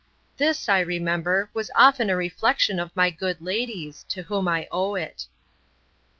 —This, I remember, was often a reflection of my good lady's, to whom I owe it.